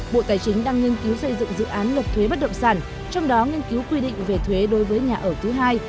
bộ tài chính đang nghiên cứu xây dựng dự án luật thuế bất động sản trong đó nghiên cứu quy định về thuế đối với nhà ở thứ hai